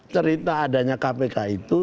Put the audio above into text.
cerita adanya kpk itu